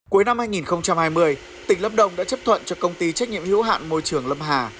cuối năm hai nghìn hai mươi tỉnh lâm đồng đã chấp thuận cho công ty trách nhiệm hữu hạn môi trường lâm hà